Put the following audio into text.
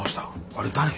あれ誰？